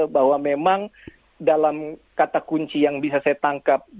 bahwa memang dalam kata kunci yang bisa saya tangkap